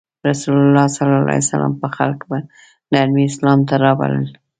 رسول الله به خلک په نرمۍ اسلام ته رابلل.